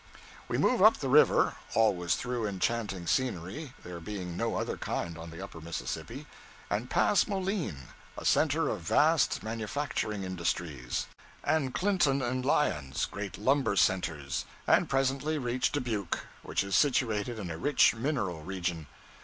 We move up the river always through enchanting scenery, there being no other kind on the Upper Mississippi and pass Moline, a center of vast manufacturing industries; and Clinton and Lyons, great lumber centers; and presently reach Dubuque, which is situated in a rich mineral region.